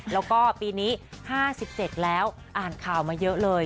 แล้วก็ปีนี้๕๗แล้วอ่านข่าวมาเยอะเลย